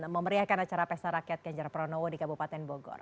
memeriahkan acara pesta rakyat ganjar pranowo di kabupaten bogor